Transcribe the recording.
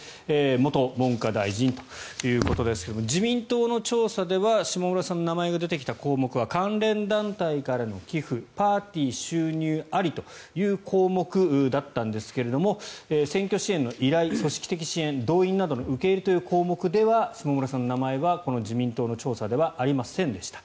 元文科大臣ということですが自民党の調査では下村さんの名前が出てきた項目は関連団体からの寄付パーティー収入ありという項目だったんですが選挙支援の依頼、組織的支援動員などの受け入れという項目では下村さんの名前はこの自民党の調査ではありませんでした。